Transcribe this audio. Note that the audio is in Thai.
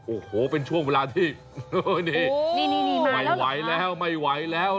โอ้โหเป็นช่วงเวลาที่นี่ไม่ไหวแล้วไม่ไหวแล้ว